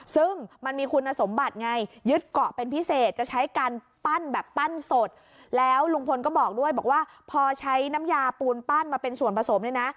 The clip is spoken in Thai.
ซึ่งมันมีคุณสมบัติไงยึดเกาะเป็นพิเศษจะใช้การปั้นแบบปั้นสดแล้วลุงพลก็บอกด้วยบอกว่าพอใช้น้ำยาปูนปั้นมาเป็นส่วนผสมเนี่ยนะ